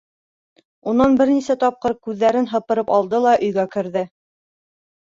Унан бер нисә тапҡыр күҙҙәрен һыпырып алды ла өйгә керҙе.